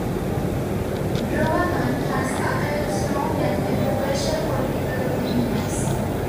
Drewermann has uttered strong and controversial political opinions.